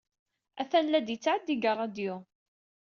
Atan la d-yettɛeddi deg ṛṛadyu.